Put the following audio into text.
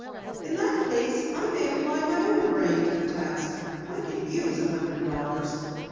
"In that case, I may apply my own brain to the task. I could use a hundred dollars."